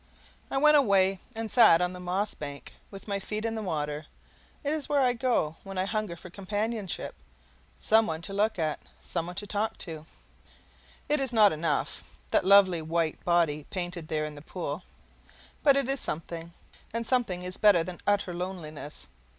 I went away and sat on the moss bank with my feet in the water. It is where I go when I hunger for companionship, some one to look at, some one to talk to. It is not enough that lovely white body painted there in the pool but it is something, and something is better than utter loneliness.